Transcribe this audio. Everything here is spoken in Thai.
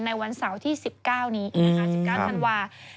ในวันเสาร์ที่๑๙นี้นะคะ๑๙ธันวาส